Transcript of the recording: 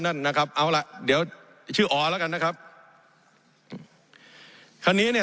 นั่นนะครับเอาล่ะเดี๋ยวชื่ออ๋อแล้วกันนะครับคันนี้เนี่ย